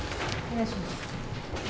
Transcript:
お願いします。